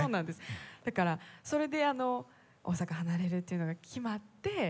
だからそれで大阪を離れるというのが決まって。